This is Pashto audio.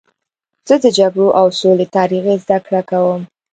زه د جګړو او سولې تاریخ زدهکړه کوم.